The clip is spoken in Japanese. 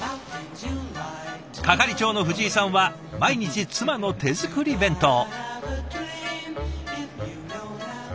係長の藤井さんは毎日妻の手作り弁当。